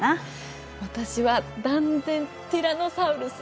私は断然ティラノサウルス！